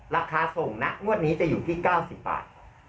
ราคาส่งนะงวดนี้จะอยู่ที่๙๐บาท